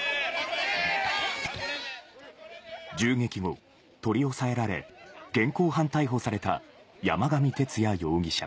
銃撃後、取り押さえられ、現行犯逮捕された山上徹也容疑者。